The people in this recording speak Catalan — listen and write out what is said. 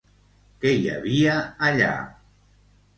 Què hi havia allà?